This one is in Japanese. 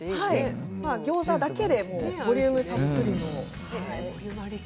ギョーザだけでもボリュームたっぷりの。